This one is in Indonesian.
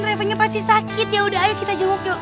travelnya pasti sakit yaudah ayo kita jenguk yuk